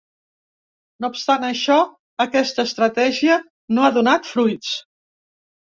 No obstant això, aquesta estratègia no ha donat fruits.